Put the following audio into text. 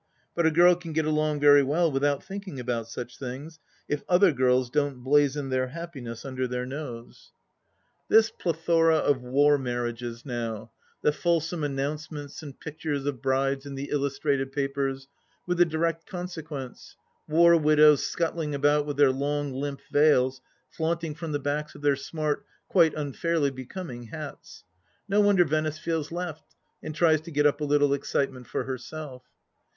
But a girl can get along very well without thinking about such things, if other girls don't blazen their happiness under her nose. 182 THE LAST DITCH This plethora of war marriages now, the fulsome announce ments and pictures of brides in the illustrated papers, and the direct consequence — ^war widows scuttling about with their long limp veils flaunting from the backs of their smart, quite unfairly becoming, hats I No wonder Venice feels left, and tries to get up a little excitement for herself.